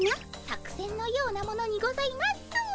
作せんのようなものにございます。